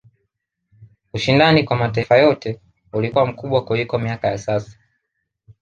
ushindani kwa mataifa yote ulikuwa mkubwa kuliko miaka ya sasa